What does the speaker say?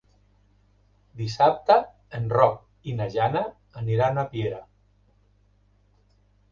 Dissabte en Roc i na Jana aniran a Piera.